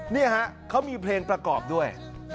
นี่ฮะเขามีเพลงประกอบด้วย